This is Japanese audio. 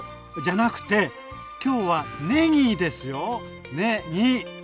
じゃなくて今日はねぎですよねぎ！